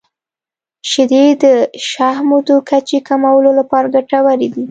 • شیدې د شحمو د کچې کمولو لپاره ګټورې دي.